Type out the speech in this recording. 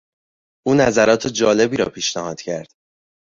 او نظرات جالبی را پیشنهاد کرد.